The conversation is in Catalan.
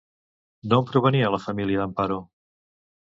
D'on provenia la família d'Amparo?